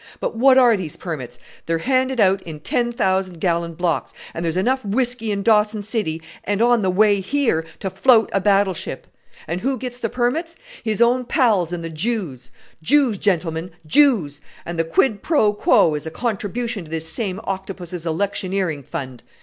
But what are these permits? They're handed out in ten thousand gallon blocks, and there's enough whisky in Dawson City, and on the way here, to float a battleship. And who gets the permits? His own pals and the Jews. Jews, gentlemen, Jews! and the quid pro quo is a contribution to this same Octopus's electioneering fund.